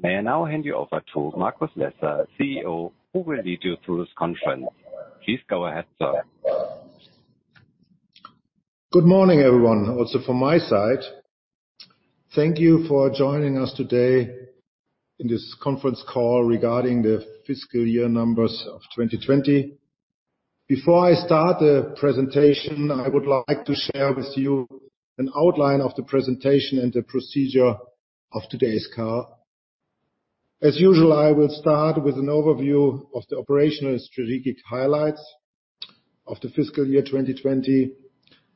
May I now hand you over to Markus Lesser, CEO, who will lead you through this conference. Please go ahead, sir. Good morning everyone. Also from my side, thank you for joining us today in this conference call regarding the fiscal year numbers of 2020. Before I start the presentation, I would like to share with you an outline of the presentation and the procedure of today's call. As usual, I will start with an overview of the operational and strategic highlights of the fiscal year 2020.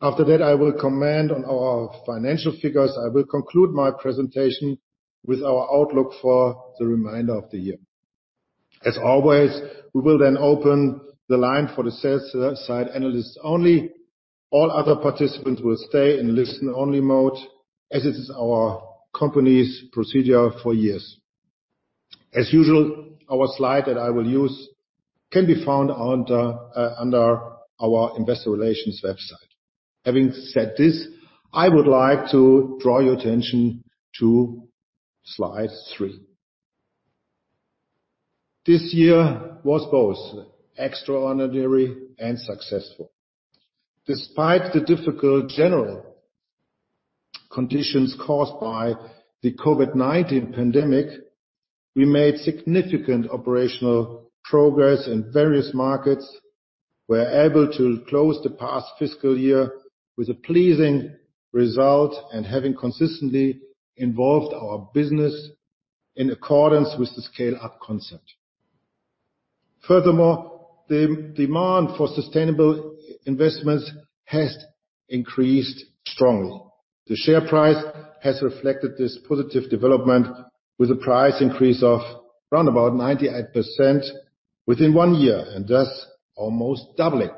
After that, I will comment on our financial figures. I will conclude my presentation with our outlook for the remainder of the year. As always, we will then open the line for the sell-side analysts only. All other participants will stay in listen-only mode, as it is our company's procedure for years. As usual, our slide that I will use can be found under our investor relations website. Having said this, I would like to draw your attention to slide three. This year was both extraordinary and successful. Despite the difficult general conditions caused by the COVID-19 pandemic, we made significant operational progress in various markets. We're able to close the past fiscal year with a pleasing result and having consistently involved our business in accordance with the scale-up concept. Furthermore, the demand for sustainable investments has increased strongly. The share price has reflected this positive development with a price increase of around about 98% within one year, and thus almost doubling.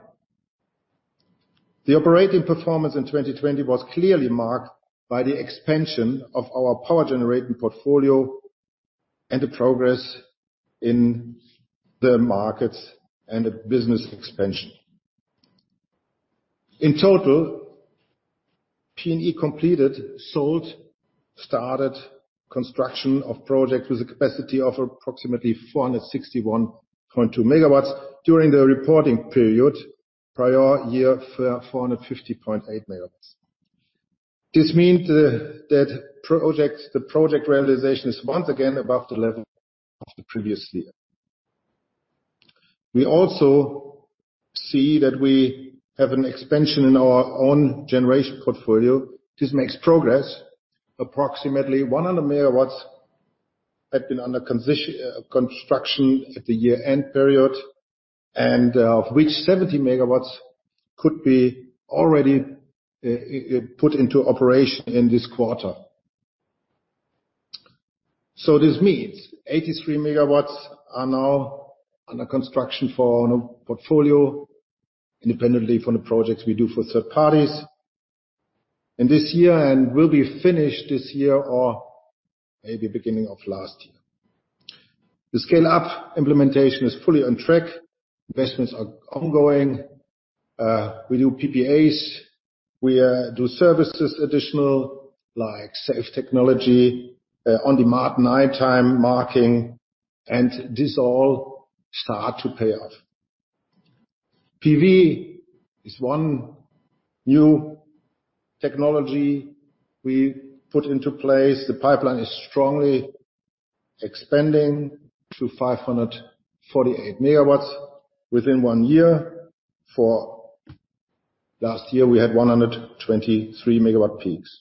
The operating performance in 2020 was clearly marked by the expansion of our power generation portfolio and the progress in the markets and the business expansion. In total, PNE completed, sold, started construction of project with a capacity of approximately 461.2 MW during the reporting period. The prior year was for 450.8 MW. This means that the project realization is once again above the level of the previous year. We also see that we have an expansion in our own generation portfolio. This makes progress. Approximately 100 MW had been under construction at the year-end period, and of which 70 MW could be already put into operation in this quarter. This means 83 MW are now under construction for portfolio independently from the projects we do for third parties in this year and will be finished this year or maybe beginning of last year. The scale-up implementation is fully on track. Investments are ongoing. We do PPAs. We do services additional like safe technology, on-demand nighttime marking, and this all start to pay off. PV is one new technology we put into place. The pipeline is strongly expanding to 548 MW within one year. For last year, we had 123 MW peaks.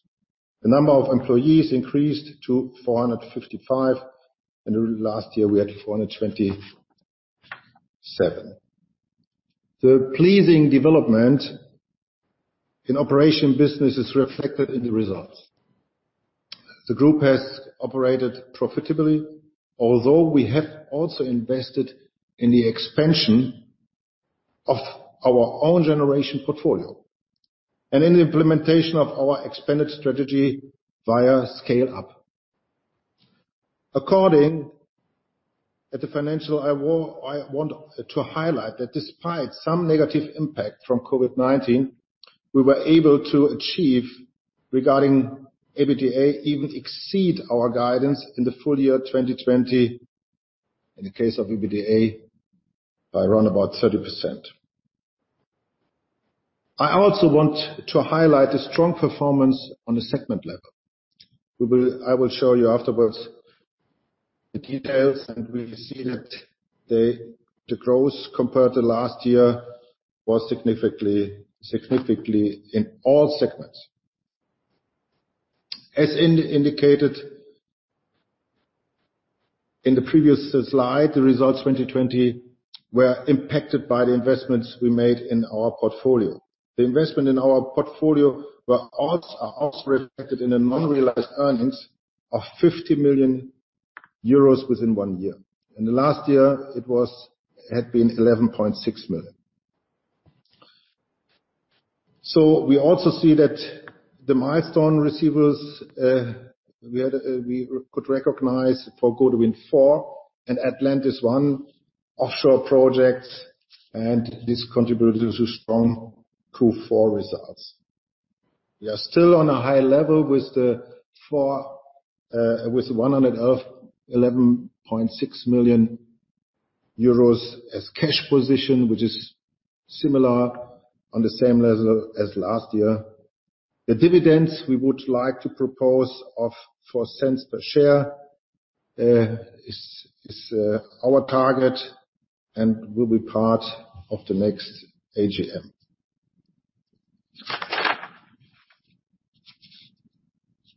The number of employees increased to 455, and last year we had 427. The pleasing development in operation business is reflected in the results. The group has operated profitably, although we have also invested in the expansion of our own generation portfolio and in the implementation of our expanded strategy via scale-up. According to the financial, I want to highlight that despite some negative impact from COVID-19, we were able to achieve regarding EBITDA, even exceed our guidance in the full year 2020 in the case of EBITDA by around about 30%. I also want to highlight the strong performance on the segment level. I will show you afterwards the details. We see that the growth compared to last year was significant in all segments. As indicated in the previous slide, the results 2020 were impacted by the investments we made in our portfolio. The investment in our portfolio were also reflected in the non-realized earnings of 50 million euros within one year. In the last year, it had been 11.6 million. We also see that the milestone receivables, we could recognize for Gode Wind 4 and Atlantis I offshore projects, and this contributed to strong Q4 results. We are still on a high level with 111.6 million euros as cash position, which is similar on the same level as last year. The dividends we would like to propose of 0.04 per share is our target and will be part of the next AGM.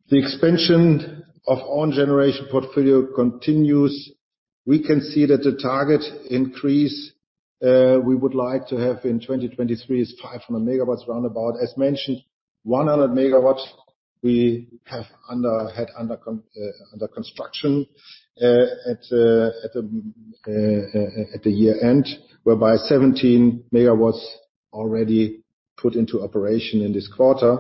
The expansion of own generation portfolio continues. We can see that the target increase we would like to have in 2023 is 500 MW, roundabout. As mentioned, 100 MW we have had under construction at the year-end, whereby 17 MW already put into operation in this quarter.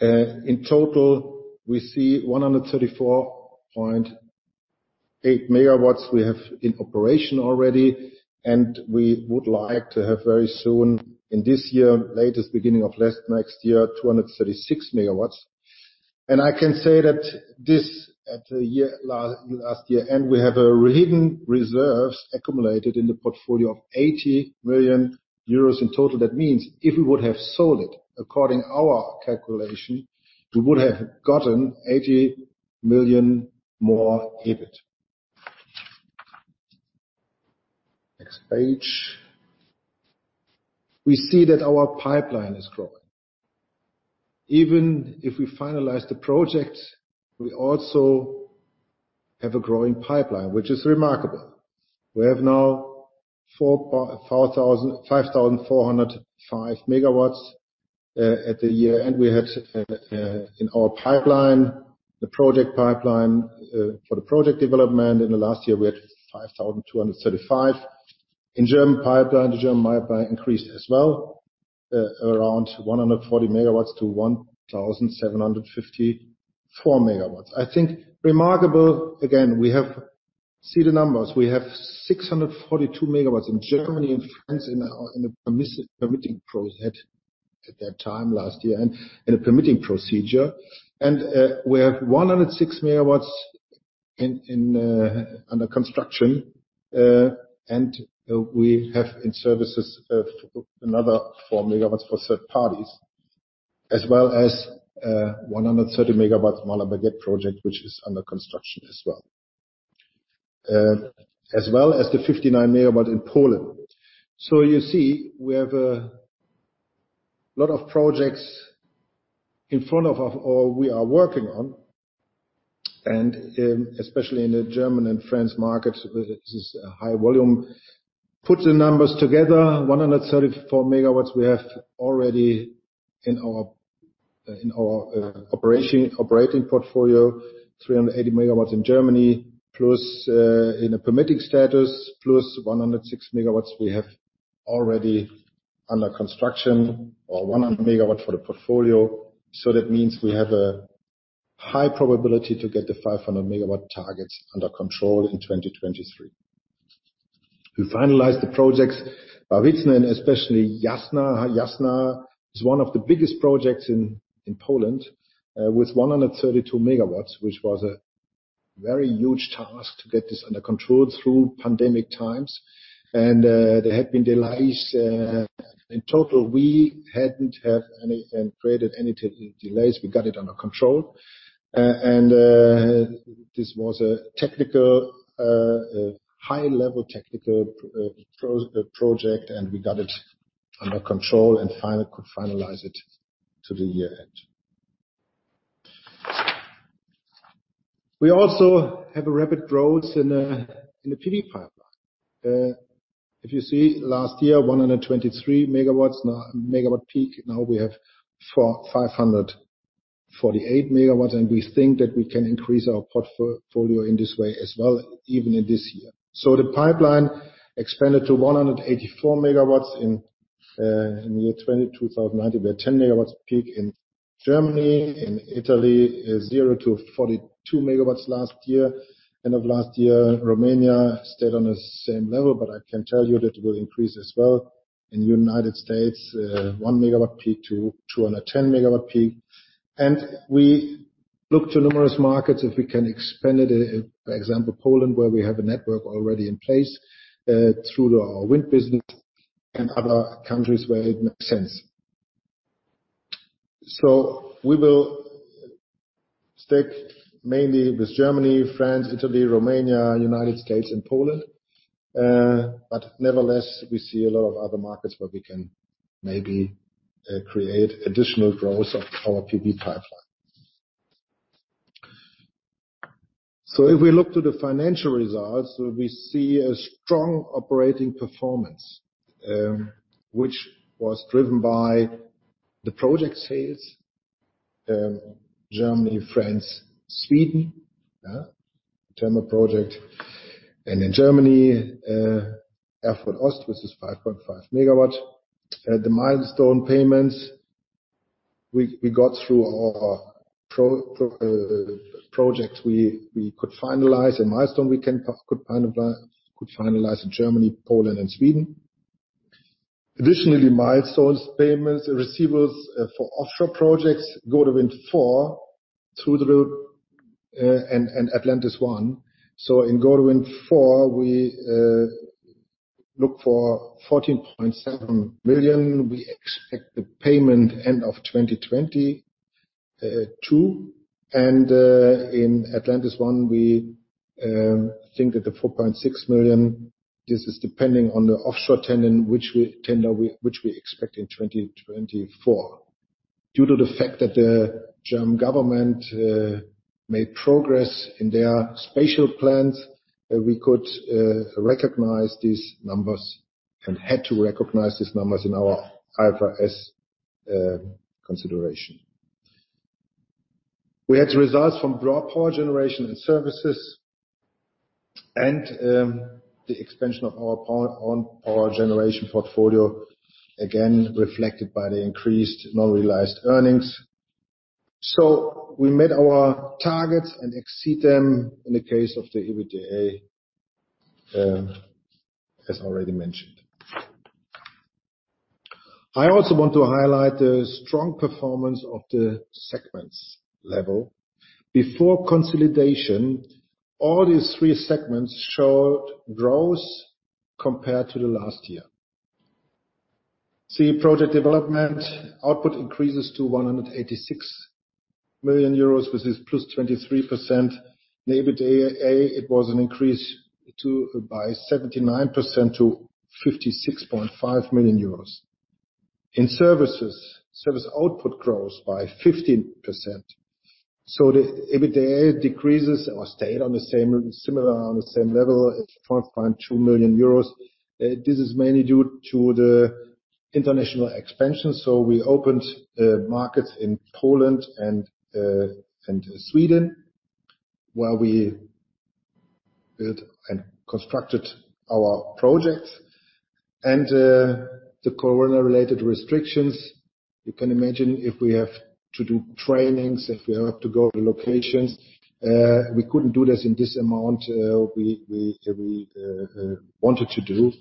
In total, we see 134.8 MW we have in operation already, and we would like to have very soon, in this year, latest beginning of next year, 236 MW. I can say that at the last year end, we have a hidden reserves accumulated in the portfolio of 80 million euros in total. That means, if we would have sold it according our calculation, we would have gotten 80 million more EBIT. Next page. We see that our pipeline is growing. Even if we finalize the project, we also have a growing pipeline, which is remarkable. We have now 5,405 MW at the year-end. We had in our pipeline, the project pipeline, for the project development in the last year, we had 5,235. In German pipeline, the German pipeline increased as well, around 140 MW to 1,754 MW. I think remarkable, again, see the numbers. We have 642 MW in Germany and France at that time, last year, in a permitting procedure. We have 106 MW under construction, and we have in services, another four MW for third parties, as well as 130 MW Malbergette project, which is under construction as well. As well as the 59 MW in Poland. You see, we have a lot of projects in front of or we are working on, and especially in the German and France market, this is a high volume. Put the numbers together, 134 MW we have already in our operating portfolio, 380 MW in Germany, plus in a permitting status, plus 106 MW we have already under construction or 100 MW for the portfolio. That means we have a high probability to get the 500 MW targets under control in 2023. We finalized the projects, Babicko especially Jasna. Jasna is one of the biggest projects in Poland, with 132 MW, which was a very huge task to get this under control through pandemic times. There had been delays. In total, we hadn't had any and created any delays. We got it under control. This was a high-level technical project, and we got it under control and could finalize it to the year-end. We also have a rapid growth in the PV pipeline. If you see last year, 123 MW peak. Now we have 548 MW, and we think that we can increase our portfolio in this way as well, even in this year. The pipeline expanded to 184 MW in the year 2020, 2,090. We had 10 MW peak in Germany. In Italy, 0 to 42 MW last year. End of last year, Romania stayed on the same level, but I can tell you that it will increase as well. In the U.S., 1 MW peak-210 MW peak. We look to numerous markets if we can expand it. For example, Poland, where we have a network already in place, through our wind business and other countries where it makes sense. We will stick mainly with Germany, France, Italy, Romania, U.S., and Poland. Nevertheless, we see a lot of other markets where we can maybe create additional growth of our PV pipeline. If we look to the financial results, we see a strong operating performance, which was driven by the project sales, Germany, France, Sweden, yeah, thermal project. In Germany, Erfurt Ost, which is 5.5 MW. The milestone payments we got through our projects we could finalize, a milestone we could finalize in Germany, Poland and Sweden. Additionally, milestones payments, receivables for offshore projects, Gode Wind 4, Tude and Atlantis I. In Gode Wind 4, we look for 14.7 million. We expect the payment end of 2022, and in Atlantis I, we think that the 4.6 million, this is depending on the offshore tender which we expect in 2024. Due to the fact that the German government made progress in their spatial plans, we could recognize these numbers and had to recognize these numbers in our IFRS consideration. We had results from power generation and services and the expansion of our own power generation portfolio, again, reflected by the increased non-realized earnings. We met our targets and exceed them in the case of the EBITDA, as already mentioned. I also want to highlight the strong performance of the segments level. Before consolidation, all these three segments showed growth compared to the last year. Project development output increases to 186 million euros, which is +23%. EBITDA, it was an increase by 79% to 56.5 million euros. Services, service output grows by 15%. The EBITDA decreases or stayed on the same level at 2.2 million euros. This is mainly due to the international expansion. We opened markets in Poland and Sweden, where we built and constructed our projects and the COVID-related restrictions. You can imagine if we have to do trainings, if we have to go to locations, we couldn't do this in this amount we wanted to do.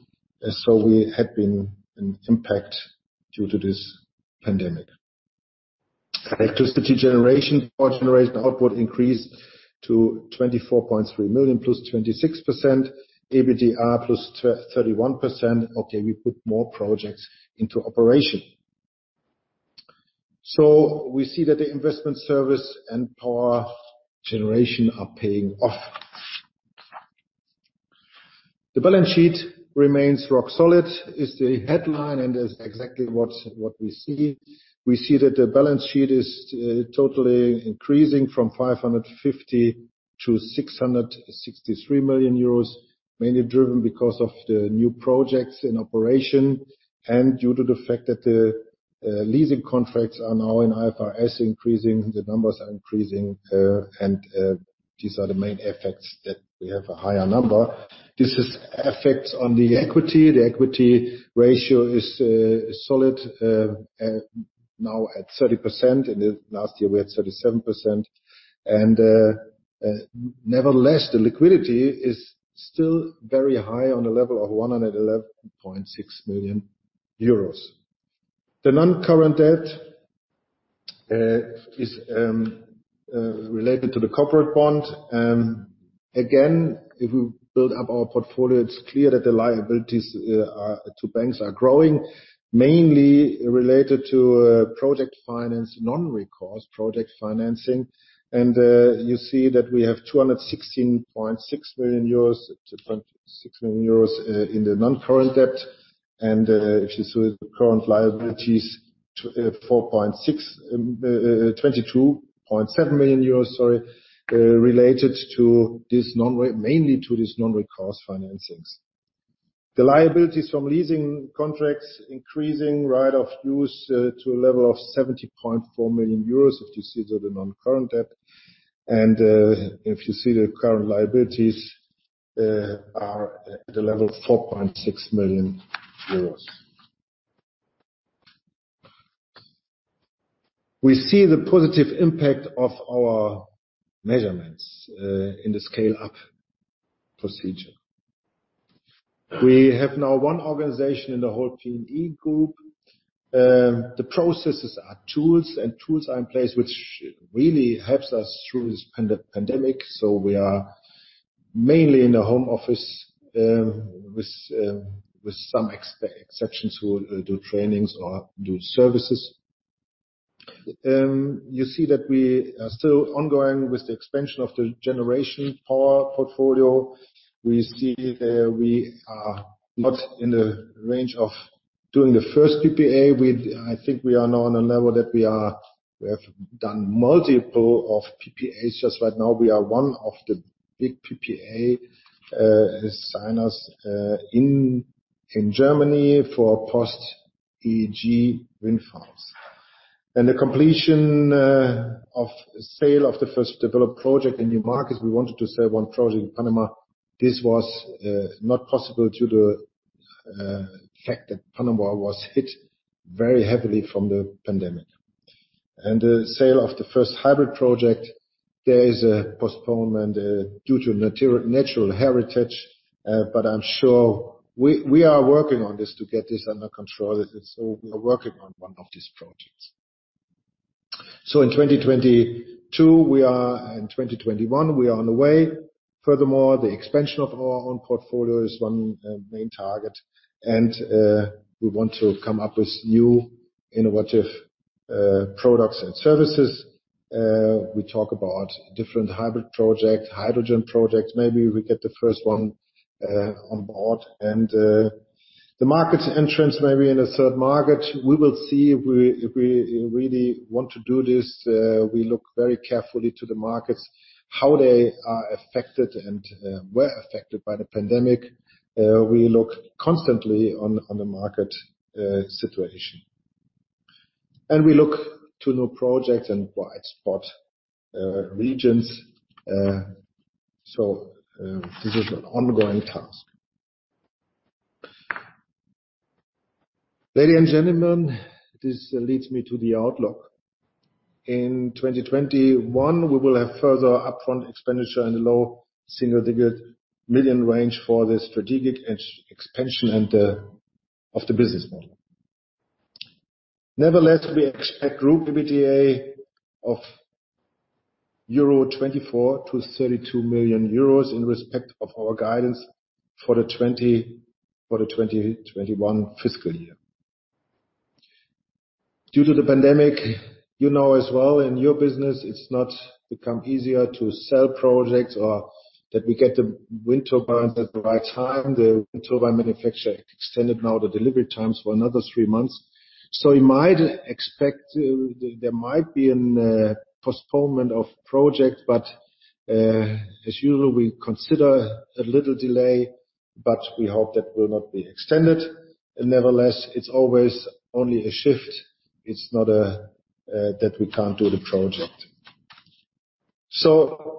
We had been an impact due to this pandemic. Electricity generation, power generation output increased to 24.3 million, +26%, EBITDA +31%. We put more projects into operation. We see that the investment service and power generation are paying off. The balance sheet remains rock solid is the headline and is exactly what we see. We see that the balance sheet is totally increasing from 550 million to 663 million euros, mainly driven because of the new projects in operation and due to the fact that the leasing contracts are now in IFRS increasing, the numbers are increasing, and these are the main effects that we have a higher number. This has effects on the equity. The equity ratio is solid, now at 30%. In the last year, we had 37%. Nevertheless, the liquidity is still very high on a level of 111.6 million euros. The non-current debt is related to the corporate bond. If we build up our portfolio, it's clear that the liabilities to banks are growing, mainly related to project finance, non-recourse project financing. You see that we have 216.6 million euros in the non-current debt. If you see the current liabilities, EUR 22.7 million, related mainly to these non-recourse financings. The liabilities from leasing contracts increasing right-of-use to a level of 70.4 million euros, if you see the non-current debt. If you see the current liabilities are at the level of 4.6 million euros. We see the positive impact of our measurements in the scale-up procedure. We have now one organization in the whole PNE group. The processes are tools, and tools are in place, which really helps us through this pandemic. We are mainly in the home office, with some exceptions who do trainings or do services. You see that we are still ongoing with the expansion of the generation power portfolio. We see we are not in the range of doing the first PPA, I think we are now on a level that we have done multiple of PPAs. Just right now, we are one of the big PPA signers in Germany for post-EEG wind farms. The completion of sale of the first developed project in new markets, we wanted to sell one project in Panama. This was not possible due to the fact that Panama was hit very heavily from the pandemic. The sale of the first hybrid project, there is a postponement due to natural heritage, but I'm sure we are working on this to get this under control. We are working on one of these projects. In 2021, we are on the way. Furthermore, the expansion of our own portfolio is one main target, and we want to come up with new innovative products and services. We talk about different hybrid projects, hydrogen projects. Maybe we get the first one on board. The markets entrance, maybe in a third market. We will see if we really want to do this. We look very carefully to the markets, how they are affected and were affected by the pandemic. We look constantly on the market situation. We look to new projects and white spot regions. This is an ongoing task. Ladies and gentlemen, this leads me to the outlook. In 2021, we will have further upfront expenditure in the low single-digit million range for the strategic expansion of the business model. We expect group EBITDA of 24 million-32 million euros in respect of our guidance for the 2021 fiscal year. Due to the pandemic, you know as well in your business, it's not become easier to sell projects or that we get the wind turbines at the right time. The wind turbine manufacturer extended now the delivery times for another three months. You might expect there might be a postponement of project, but as usual, we consider a little delay, but we hope that will not be extended. It's always only a shift. It's not that we can't do the project.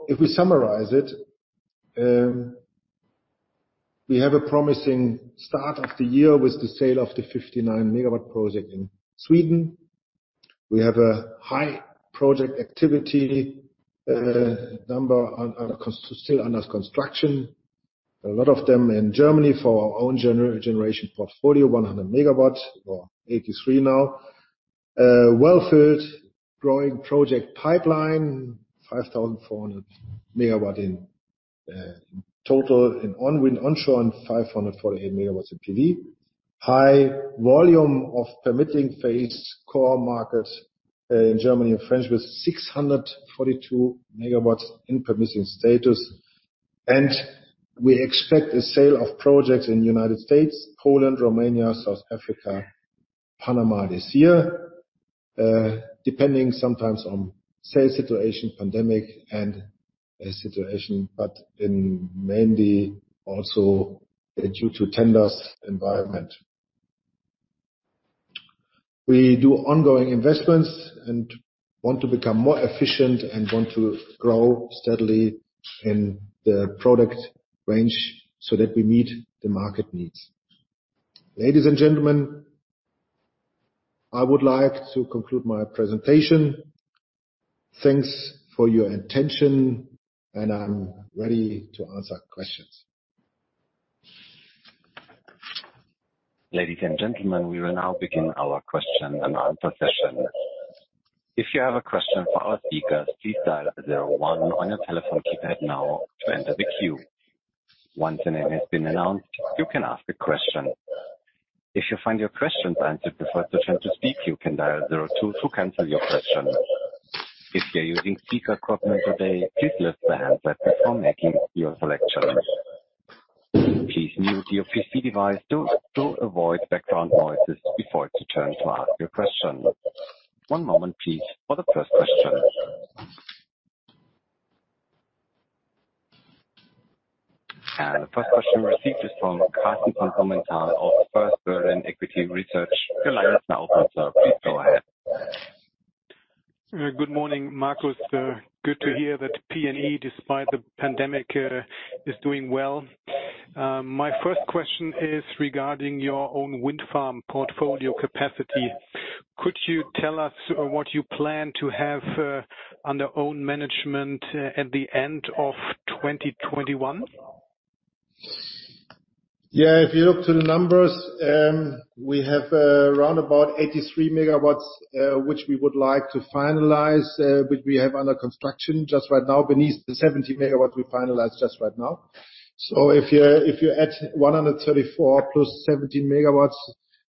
If we summarize it, we have a promising start of the year with the sale of the 59-megawatt project in Sweden. We have a high project activity number still under construction. A lot of them in Germany for our own generation portfolio, 100 MW or 83 now. Well-filled growing project pipeline, 5,400 MW in total, and on onshore and 548 MW in PV. High volume of permitting phase core markets in Germany and France with 642 MW in permitting status. We expect a sale of projects in U.S., Poland, Romania, South Africa, Panama this year, depending sometimes on sale situation, pandemic and sale situation, but in mainly also due to tenders environment. We do ongoing investments and want to become more efficient and want to grow steadily in the product range so that we meet the market needs. Ladies and gentlemen, I would like to conclude my presentation. Thanks for your attention, I'm ready to answer questions. Ladies and gentlemen, we will now begin our question and answer session. One moment, please, for the first question. The first question received is from Carsten Frantz from Commerzbank of First Berlin Equity Research. Your line is now open, sir. Please go ahead. Good morning, Markus. Good to hear that PNE, despite the pandemic, is doing well. My first question is regarding your own wind farm portfolio capacity. Could you tell us what you plan to have under own management at the end of 2021? Yeah, if you look to the numbers, we have around about 83 MW, which we would like to finalize, which we have under construction just right now, beneath the 70 MW we finalized just right now. If you add 134 + 70 MW,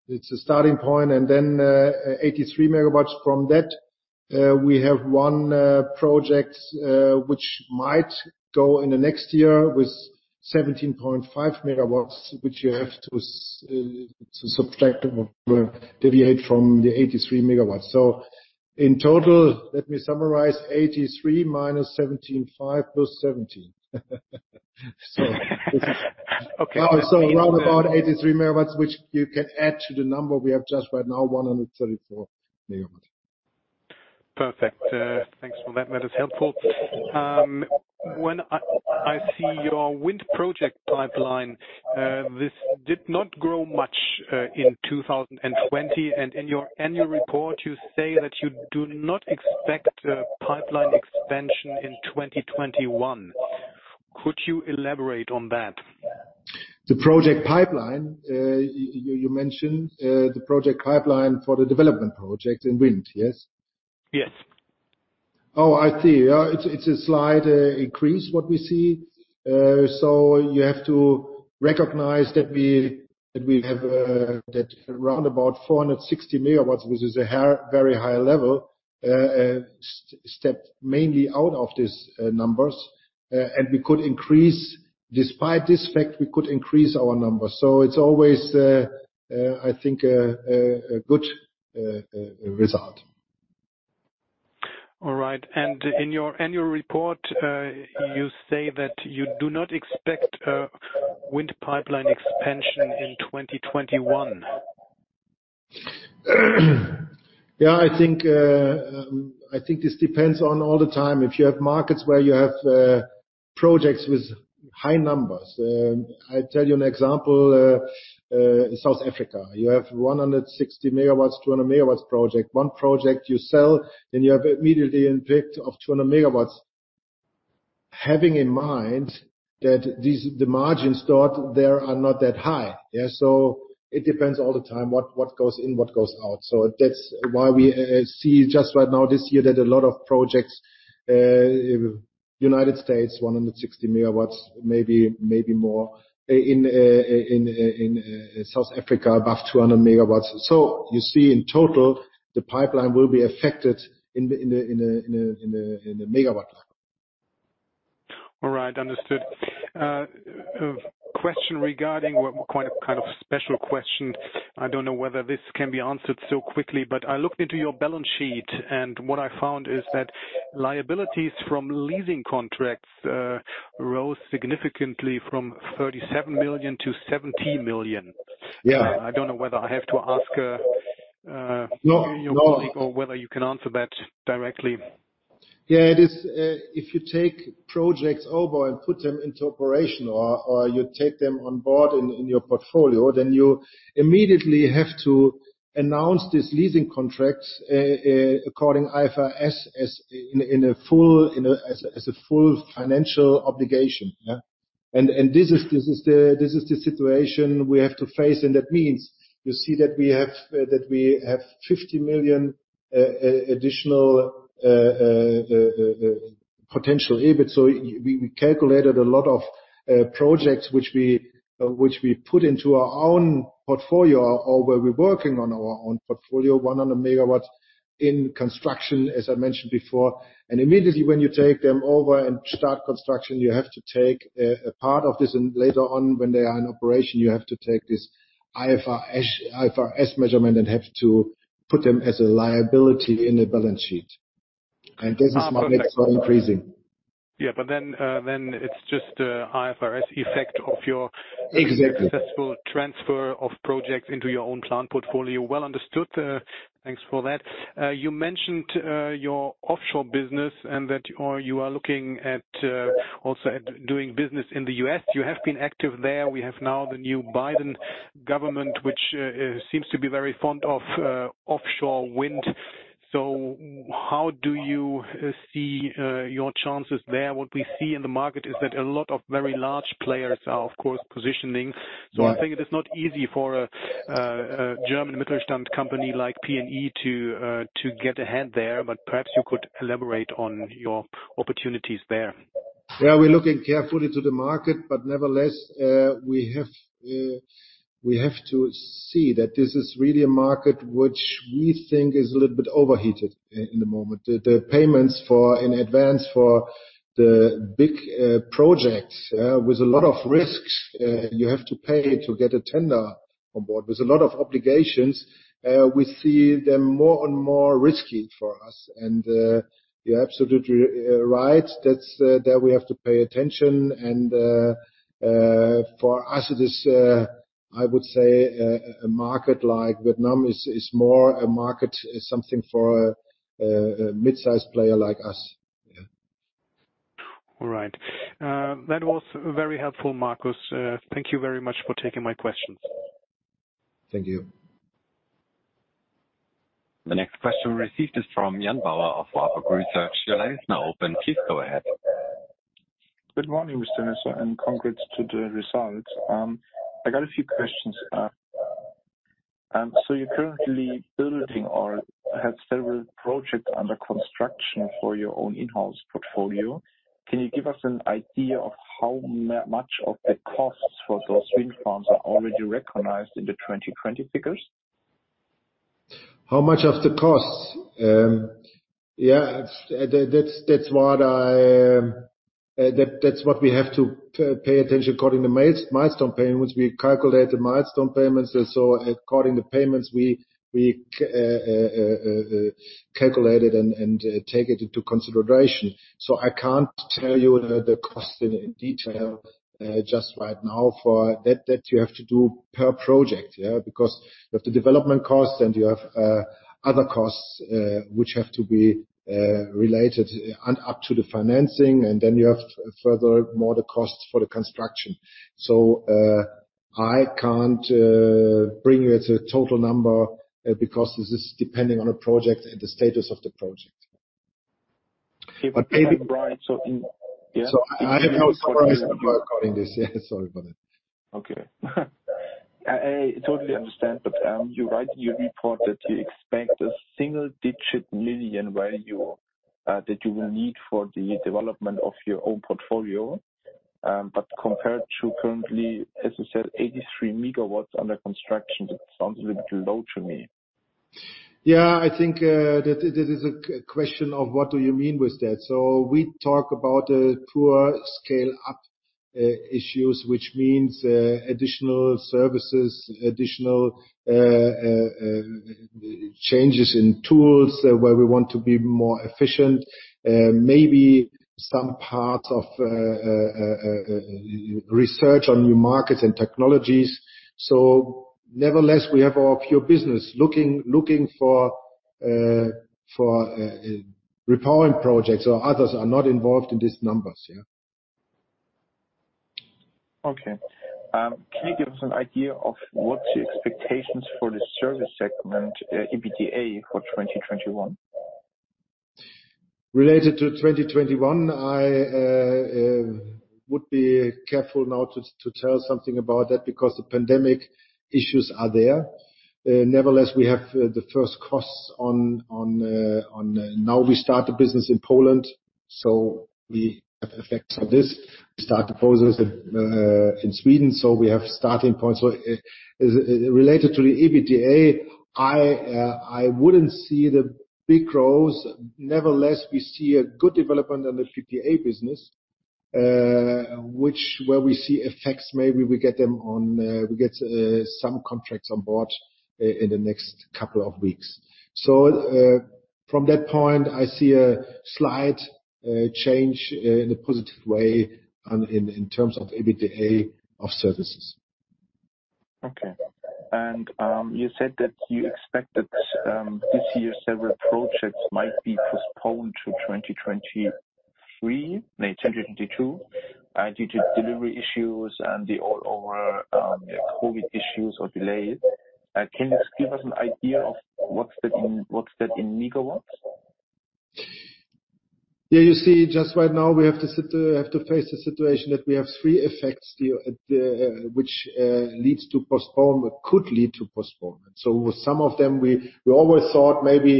it's a starting point, and then 83 MW from that. We have one project which might go in the next year with 17.5 MW, which you have to subtract or deviate from the 83 MW. In total, let me summarize, 83 minus 17.5, plus 17. Okay. Round about 83 MW, which you can add to the number we have just right now, 134 MW. Perfect. Thanks for that. That is helpful. When I see your wind project pipeline, this did not grow much in 2020. In your annual report, you say that you do not expect a pipeline expansion in 2021. Could you elaborate on that? The project pipeline, you mentioned, the project pipeline for the development project in wind, yes? Yes. Oh, I see. It's a slight increase, what we see. You have to recognize that we have around about 460 MW, which is a very high level, stepped mainly out of these numbers. We could increase, despite this fact, we could increase our numbers. It's always, I think, a good result. All right. In your annual report, you say that you do not expect a wind pipeline expansion in 2021. Yeah, I think this depends on all the time. If you have markets where you have projects with high numbers. I tell you an example, South Africa. You have 160 MW, 200 MW project. One project you sell, then you have immediately impact of 200 MW. Having in mind that the margins there are not that high. It depends all the time what goes in, what goes out. That's why we see just right now this year that a lot of projects, U.S., 160 MW, maybe more. In South Africa, above 200 MW. You see in total, the pipeline will be affected in the megawatt. All right. Understood. A question regarding, well, quite a kind of special question. I don't know whether this can be answered so quickly, but I looked into your balance sheet, and what I found is that liabilities from leasing contracts, rose significantly from 37 million to 70 million. Yeah. I don't know whether I have to ask your colleague or whether you can answer that directly. If you take projects over and put them into operation or you take them on board in your portfolio, then you immediately have to announce these leasing contracts, according IFRS, as a full financial obligation. This is the situation we have to face, and that means you see that we have EUR 50 million additional potential EBIT. We calculated a lot of projects which we put into our own portfolio or where we're working on our own portfolio, 100 MW in construction, as I mentioned before. Immediately when you take them over and start construction, you have to take a part of this, and later on when they are in operation, you have to take this IFRS measurement and have to put them as a liability in the balance sheet. This is why they are increasing. Yeah, it's just a IFRS effect of your. Exactly successful transfer of projects into your own plant portfolio. Well understood. Thanks for that. You mentioned your offshore business and that you are looking at also doing business in the U.S. You have been active there. We have now the new Biden government, which seems to be very fond of offshore wind. How do you see your chances there? What we see in the market is that a lot of very large players are, of course, positioning. Right. I think it is not easy for a German Mittelstand company like PNE to get a hand there, but perhaps you could elaborate on your opportunities there. Yeah, we're looking carefully to the market, nevertheless, we have to see that this is really a market which we think is a little bit overheated in the moment. The payments in advance for the big projects, with a lot of risks, you have to pay to get a tender on board. There's a lot of obligations. We see them more and more risky for us. You're absolutely right, there we have to pay attention and, for us it is, I would say, a market like Vietnam is more a market, is something for a midsize player like us. Yeah. All right. That was very helpful, Markus. Thank you very much for taking my questions. Thank you. The next question received is from Jan Bauer of Warburg Research. Your line is now open. Please go ahead. Good morning, Mr. Lesser, and congrats to the results. I got a few questions. You're currently building or have several projects under construction for your own in-house portfolio, can you give us an idea of how much of the costs for those wind farms are already recognized in the 2020 figures? How much of the costs? Yeah, that's what we have to pay attention according to milestone payments. We calculate the milestone payments. According to payments, we calculate it and take it into consideration. I can't tell you the cost in detail just right now. For that, you have to do per project. You have the development costs and you have other costs, which have to be related and up to the financing, and then you have furthermore the costs for the construction. I can't bring you the total number because this is depending on the project and the status of the project. Maybe, Brian. I have no surprise work on this. Yeah, sorry about that. I totally understand, you write in your report that you expect a single-digit million value that you will need for the development of your own portfolio. Compared to currently, as you said, 83 MW under construction, that sounds a little bit low to me. Yeah, I think that is a question of what do you mean with that? We talk about a pure scale-up issues, which means additional services, additional changes in tools where we want to be more efficient, maybe some parts of research on new markets and technologies. Nevertheless, we have our pure business looking for repowering projects or others are not involved in these numbers, yeah. Can you give us an idea of what the expectations for the service segment, EBITDA, for 2021? Related to 2021, I would be careful now to tell something about that because the pandemic issues are there. We have the first costs on now we start the business in Poland. We have effects of this. We start the process in Sweden. We have starting points. Related to the EBITDA, I wouldn't see the big growth. We see a good development in the PPA business, where we see effects. Maybe we get some contracts on board in the next couple of weeks. From that point, I see a slight change in a positive way in terms of EBITDA of services. Okay. You said that you expect that this year several projects might be postponed to 2023, maybe 2022, due to delivery issues and the all-over COVID issues or delays. Can you give us an idea of what's that in MW? Yeah, you see, just right now, we have to face the situation that we have three effects which leads to postponement, could lead to postponement. With some of them, we always thought maybe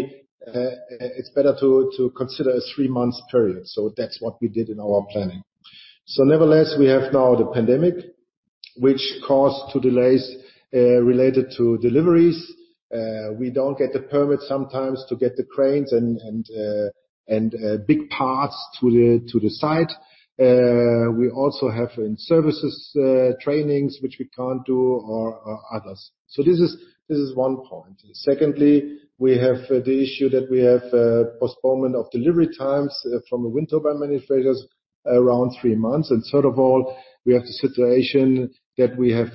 it's better to consider a three-month period. That's what we did in our planning. Nevertheless, we have now the pandemic, which caused to delays related to deliveries. We don't get the permit sometimes to get the cranes and big parts to the site. We also have in services, trainings, which we can't do or others. This is one point. Secondly, we have the issue that we have postponement of delivery times from the wind turbine manufacturers around three months. Third of all, we have the situation that we have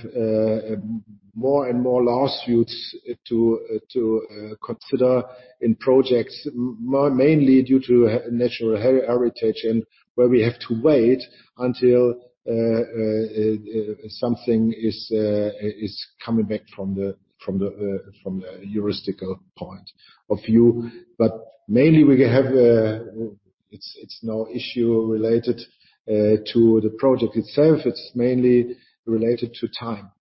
more and more lawsuits to consider in projects, mainly due to natural heritage and where we have to wait until something is coming back from the juridical point of view. Mainly, it's no issue related to the project itself, it's mainly related to time.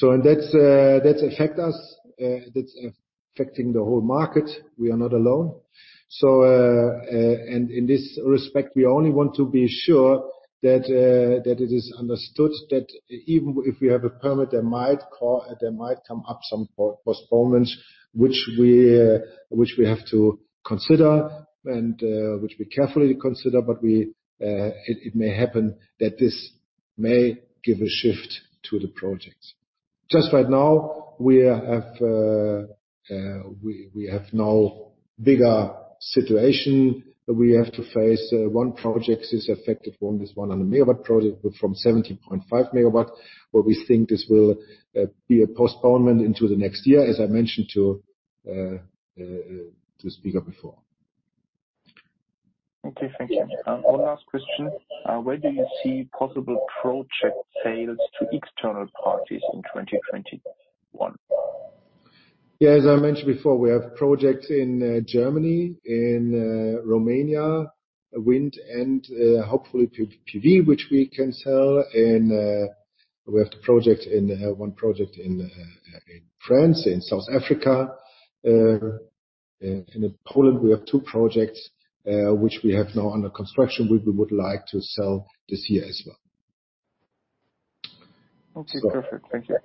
That affects us, that's affecting the whole market. We are not alone. In this respect, we only want to be sure that it is understood that even if we have a permit, there might come up some postponements which we have to consider, and which we carefully consider. It may happen that this may give a shift to the project. Just right now, we have no bigger situation we have to face. One project is affected, one is 100 MW project from 17.5 MW, where we think this will be a postponement into the next year, as I mentioned to the speaker before. Okay, thank you. One last question. Where do you see possible project sales to external parties in 2021? Yeah, as I mentioned before, we have projects in Germany, in Romania, wind and hopefully PV, which we can sell. We have one project in France, in South Africa. In Poland, we have two projects, which we have now under construction, which we would like to sell this year as well. Okay, perfect. Thank you.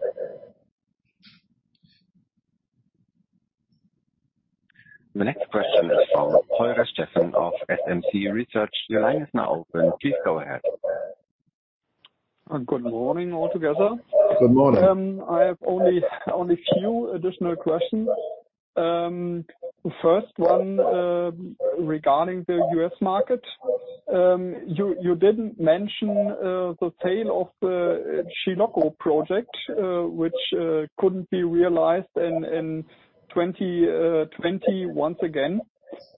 The next question is from Holger Steffen of SMC Research. Your line is now open. Please go ahead. Good morning, all together. Good morning. I have only a few additional questions. First one, regarding the U.S. market. You didn't mention the sale of the Chilocco project, which couldn't be realized in 2020 once again.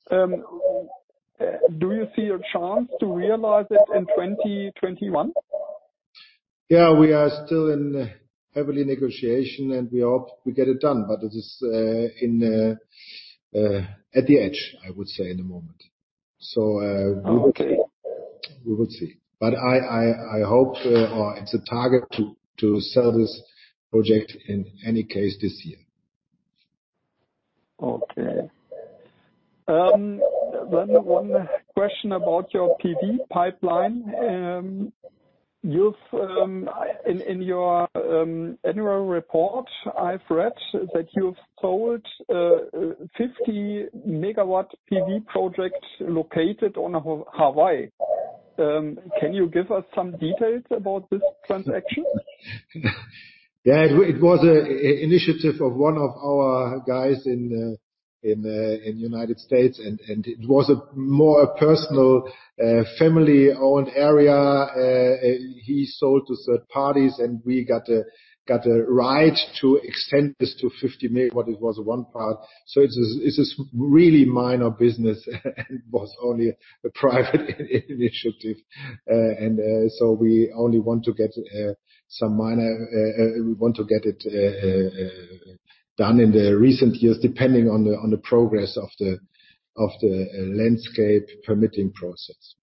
Do you see a chance to realize it in 2021? Yeah, we are still in heavy negotiation, and we hope we get it done, but it is at the edge, I would say, in the moment. We will see. I hope, or it's a target to sell this project, in any case, this year. Okay. One question about your PV pipeline. In your annual report, I've read that you've sold a 50-megawatt PV project located on Hawaii. Can you give us some details about this transaction? Yeah. It was an initiative of one of our guys in the U.S., it was more a personal, family-owned area he sold to third parties, we got a right to extend this to 50 MW. It was one part. It's a really minor business and it was only a private initiative. We only want to get it done in the recent years, depending on the progress of the landscape permitting process.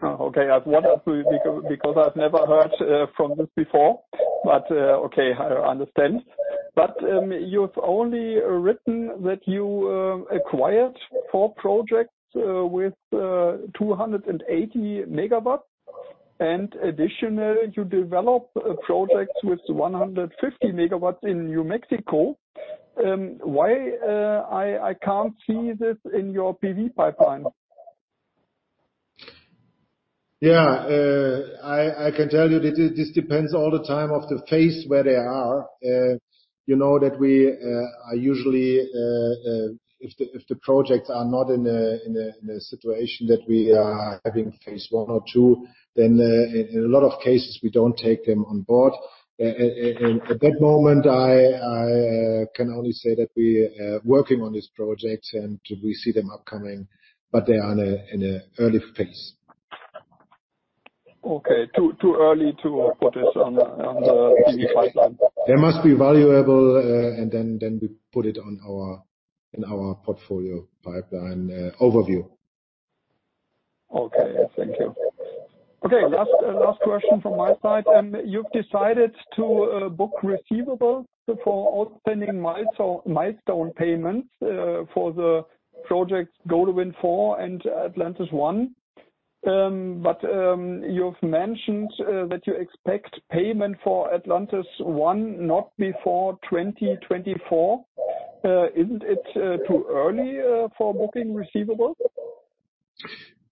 Oh, okay. I've wondered, because I've never heard from this before, but okay, I understand. You've only written that you acquired four projects with 280 MW, and additionally, you developed projects with 150 MW in New Mexico. Why I can't see this in your PV pipeline? Yeah. I can tell you this depends all the time on the phase where they are. You know that we are usually, if the projects are not in a situation that we are having phase one or two, then in a lot of cases, we don't take them on board. At that moment, I can only say that we are working on these projects and we see them upcoming, but they are in an early phase. Okay, too early to put this on the PV pipeline. They must be valuable, and then we put it in our portfolio pipeline overview. Okay, thank you. Okay, last question from my side. You've decided to book receivables for outstanding milestone payments for the projects Gode Wind 4 and Atlantis I. You've mentioned that you expect payment for Atlantis I not before 2024. Isn't it too early for booking receivables?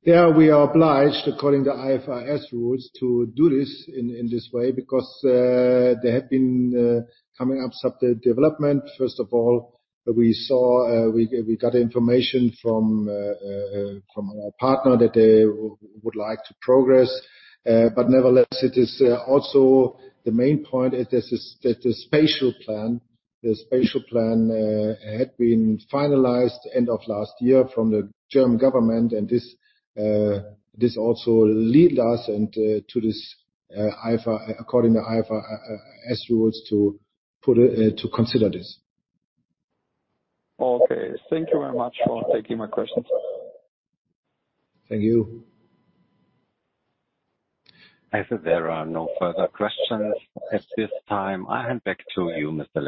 Yeah, we are obliged, according to IFRS rules, to do this in this way because there have been coming up some development. First of all, we got information from our partner that they would like to progress. Nevertheless, it is also the main point is that the spatial plan had been finalized end of last year from the German government, this also lead us, according to IFRS rules, to consider this. Okay. Thank you very much for taking my questions. Thank you. As there are no further questions at this time, I hand back to you, Mr.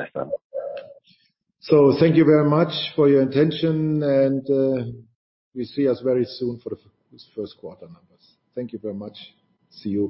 Lesser. Thank you very much for your attention, and you'll see us very soon for the first quarter numbers. Thank you very much. See you.